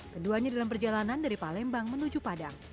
keduanya dalam perjalanan dari palembang menuju padang